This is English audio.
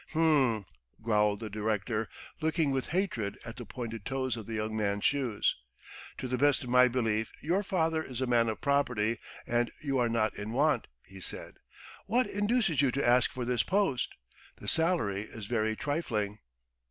"H'm!" growled the director, looking with hatred at the pointed toes of the young man's shoes. "To the best of my belief your father is a man of property and you are not in want," he said. "What induces you to ask for this post? The salary is very trifling!"